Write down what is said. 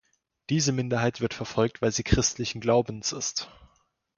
Diese Minderheit wird verfolgt, weil sie christlichen Glaubens ist.